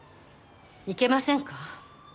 いけませんか？